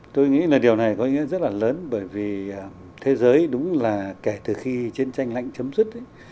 tôi nghĩ là điều này có ý nghĩa rất là lớn bởi vì thế giới đúng là kể từ khi chiến tranh lạnh chấm dứt ấy